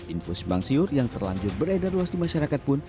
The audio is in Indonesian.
infus bang siur yang terlanjur beredar luas di masyarakat pun